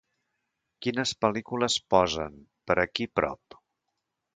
quines pel·lícules posen per aquí prop